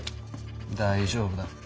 大丈夫だ。